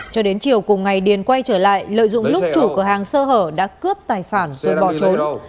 cho đến chiều cùng ngày điền quay trở lại lợi dụng lúc chủ cửa hàng sơ hở đã cướp tài sản rồi bỏ trốn